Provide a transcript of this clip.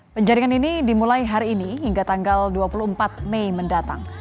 penjaringan ini dimulai hari ini hingga tanggal dua puluh empat mei mendatang